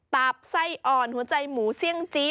ตับไส้อ่อนหัวใจหมูเสี่ยงจี้